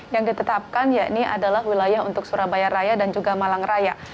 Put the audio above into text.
yang ditetapkan yakni adalah wilayah untuk surabaya raya dan juga malang raya